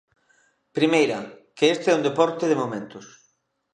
Primeira, que este é un deporte de momentos.